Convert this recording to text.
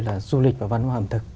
là du lịch và văn hóa ẩm thực